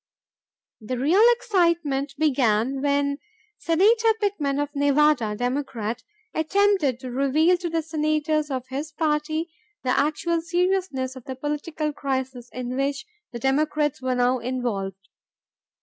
The real excitement began when Senator Pittman of Nevada, Democrat, attempted to reveal to the senators of his party the actual seriousness of the political crisis in which the Democrats were now involved.